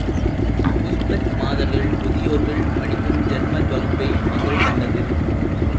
Uzbek மாதர்கள் முதியோர் படிக்கும் ஜெர்மன் வகுப்பே நாங்கள் கண்டது.